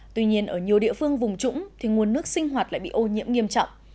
tuy nhiên ở nhiều địa phương vùng trũng thì nguồn nước sinh hoạt lại bị ô nhiễm nghiêm trọng